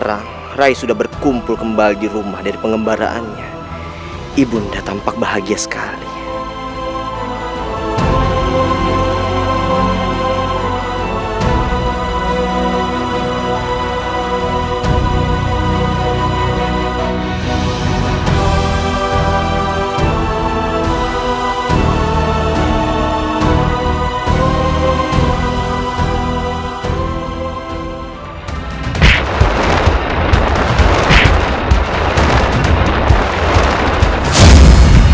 ayah untuk anda juga berharga harga disediakan seperti ini